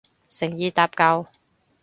誠意搭救